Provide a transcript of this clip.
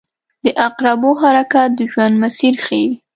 • د عقربو حرکت د ژوند مسیر ښيي.